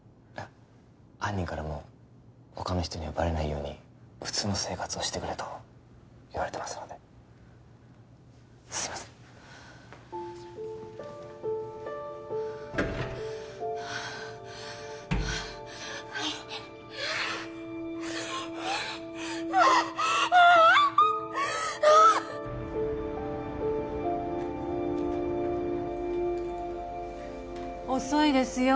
犯人からも他の人にはバレないように普通の生活をしてくれと言われてますのですいません遅いですよ